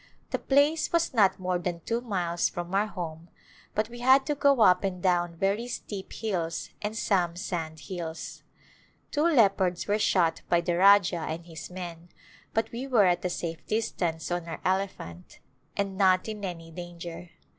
The place was not more than two miles from our home but we had to go up and down very steep hills and some sand hills. Two leopards were shot by the Rajah and his men but we were at a safe distance on our elephant and [ 327 ] A Glimpse of India not in any danger.